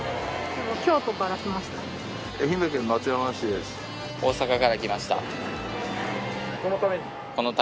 京都から来ました。